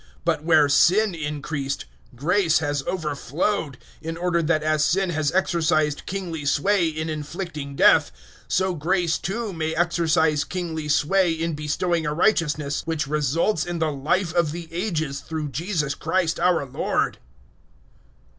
But where sin increased, grace has overflowed; 005:021 in order that as sin has exercised kingly sway in inflicting death, so grace, too, may exercise kingly sway in bestowing a righteousness which results in the Life of the Ages through Jesus Christ our Lord.